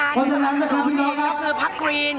พอสนับสนุนคือภักกรีร